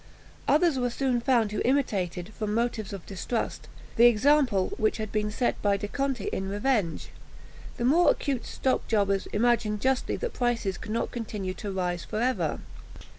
Others were soon found who imitated, from motives of distrust, the example which had been set by De Conti in revenge. The more acute stockjobbers imagined justly that prices could not continue to rise for ever.